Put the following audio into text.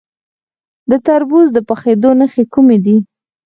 د تربوز د پخیدو نښې کومې دي؟